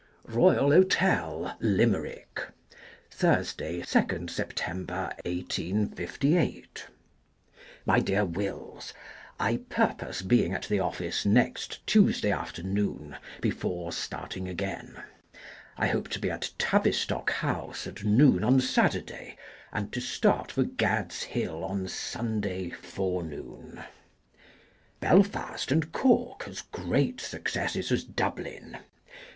1858] A RUSH OF THREE DUCKS. 245 Royal Hotel, Limerick, Thursday, Second September, 1858. My Dear Wills :— I purpose being at the office next Tuesday afternoon, before starting again. I hope to be at Tavistock House at noon on Saturday, and to start for Gad's Hill on Sunday forenoon. Belfast and Cork, as great successes as Dublin.